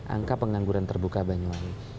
angka pengangguran terbuka banyuwangi